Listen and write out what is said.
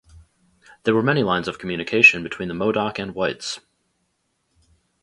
There were many lines of communication between the Modoc and whites.